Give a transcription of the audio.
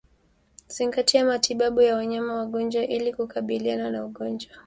Zingatia matibabu ya wanyama wagonjwa ili kukabiliana na ugonjwa